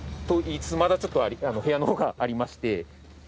と言いつつまだちょっと部屋の方がありまして。